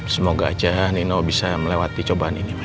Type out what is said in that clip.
semoga aja nino bisa melewati cobaan ini